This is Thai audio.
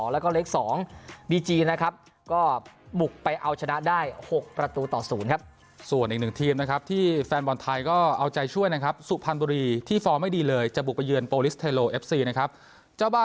แล้วก็เลข๒ดีจีนะครับก็บุกไปเอาชนะได้๖ประตูต่อศูนย์ครับ